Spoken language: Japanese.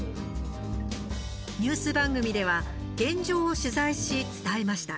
ニュース番組では現状を取材し、伝えました。